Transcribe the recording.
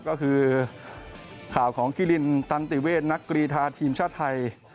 ก็คือข่าวของคิรินตันติเวทนักกรีธาทีมชาติไทย